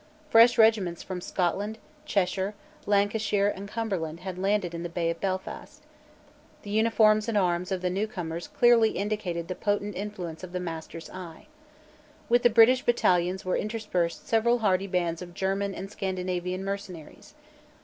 Fresh regiments from Scotland, Cheshire, Lancashire, and Cumberland had landed in the Bay of Belfast. The uniforms and arms of the new corners clearly indicated the potent influence of the master's eye. With the British battalions were interspersed several hardy bands of German and Scandinavian mercenaries.